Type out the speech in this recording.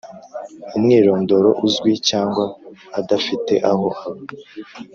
umwirondoro uzwi cyangwa adafite aho aba